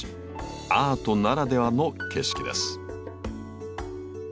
アートならではの景色です。